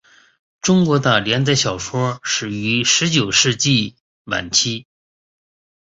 中国的连载小说始于十九世纪晚期。